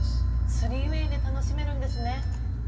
３ＷＡＹで楽しめるんですね。